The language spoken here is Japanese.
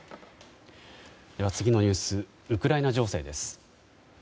次のニュースはウクライナ情勢です。